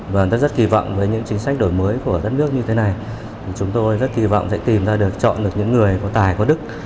và người ta rất kỳ vọng với những chính sách đổi mới của đất nước như thế này chúng tôi rất kỳ vọng sẽ tìm ra được chọn được những người có tài có đức